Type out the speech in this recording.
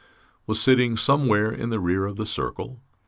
was sitting somewhere in the rear of the circle.